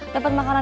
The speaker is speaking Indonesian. dapet makan lo leh